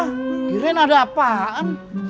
kirain ada apaan